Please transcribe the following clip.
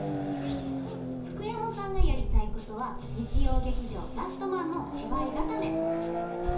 福山さんがやりたいことは日曜劇場「ラストマン」の芝居固め